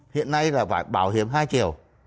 hiện nay là bảo hiểm hai chiều